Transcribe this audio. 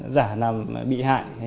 giả là bị hại